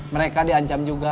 mereka diancam juga